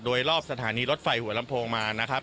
โดยรอบสถานีรถไฟหัวลำโพงมานะครับ